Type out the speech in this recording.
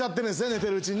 寝てるうちにね。